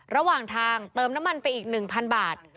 ระหว่างทางเติมน้ำมันไปอีกหนึ่งพันบาท